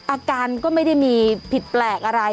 อาการก็ไม่ได้มีผิดแปลกอะไร